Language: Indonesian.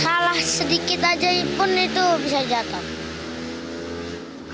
salah sedikit aja pun itu bisa jatuh